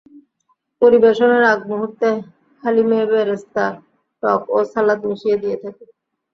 পরিবেশনের আগমুহূর্তে হালিমে বেরেস্তা, টক ও সালাদ মিশিয়ে দিয়ে থাকি।